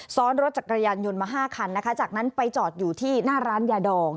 ซ้อนรถจักรยานยนต์มา๕คันนะคะจากนั้นไปจอดอยู่ที่หน้าร้านยาดอง